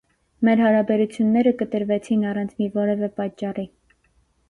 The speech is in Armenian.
մեր հարաբերությունները կտրվեցին, առանց մի որևէ պատճառի: